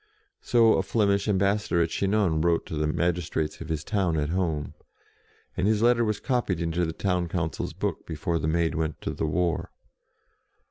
So a Flemish ambas sador at Chinon wrote to the magistrates of his town at home, and his letter was copied into the town council's book, before the Maid went to the war.